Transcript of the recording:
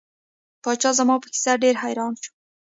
پاچا زما په کیسه ډیر حیران شو.